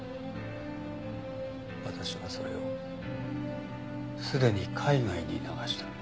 私はそれをすでに海外に流した。